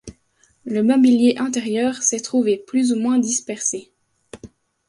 Le mobilier intérieur s'est trouvé plus ou moins dispersé.